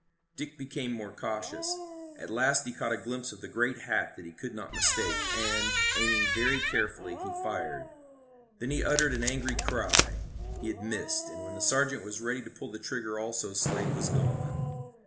Dick became more cautious. At last he caught a glimpse of the great hat that he could not mistake, and, aiming very carefully, he fired. Then he uttered an angry cry. He had missed, and when the sergeant was ready to pull the trigger also Slade was gone.